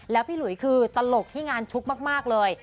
แล้วพี่หลุยคือตลกที่งานชุกมากเลย